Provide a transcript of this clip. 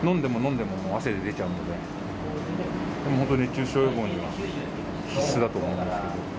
でも本当に、熱中症予防には必須だと思いますけど。